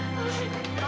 biasa pak sadar